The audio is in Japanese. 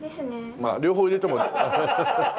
まあ両方入れても。